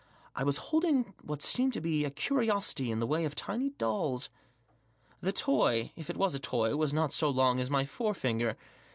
I was holding what seemed to be a curiosity in the way of tiny dolls. The toy, if it was a toy, was not so long as my fore finger.